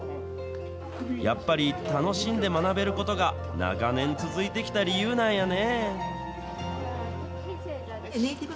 やっぱり楽しんで学べることが、長年続いてきた理由なんやね。